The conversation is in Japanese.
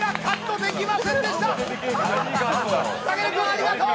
ありがとう！